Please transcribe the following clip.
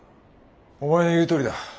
お前の言うとおりだ。